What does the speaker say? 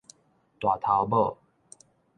大頭母